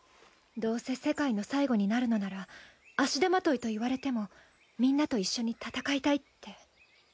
どうせ世界の最後になるのなら足手まといと言われてもみんなと一緒に戦いたいって。